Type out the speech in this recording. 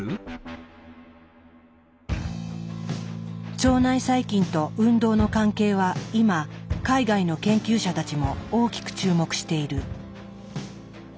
腸内細菌と運動の関係は今海外の研究者たちも大きく注目している。